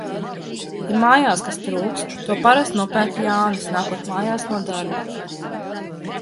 Ja mājās kas trūkst, to parasti nopērk Jānis, nākot mājās no darba.